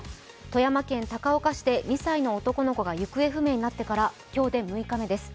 富山県高岡市で２歳の男の子が行方不明になってから、今日で６日目です。